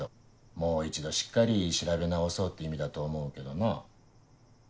もう一度しっかり調べ直そうって意味だと思うけどな。